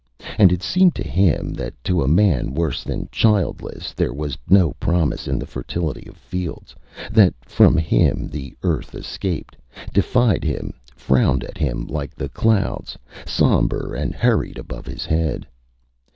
And it seemed to him that to a man worse than childless there was no promise in the fertility of fields, that from him the earth escaped, defied him, frowned at him like the clouds, sombre and hurried above his head.